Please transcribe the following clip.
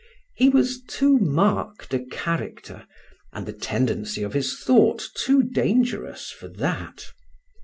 He was too marked a character, and the tendency of his thought too dangerous, for that.